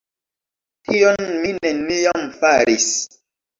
Tion mi neniam faris.